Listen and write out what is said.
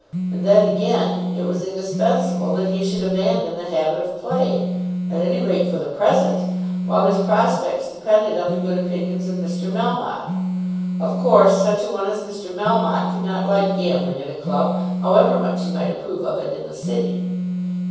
And then again, it was indispensable that he should abandon the habit of play at any rate for the present, while his prospects depended on the good opinions of Mr. Melmotte. Of course such a one as Mr. Melmotte could not like gambling at a club, however much he might approve of it in the City.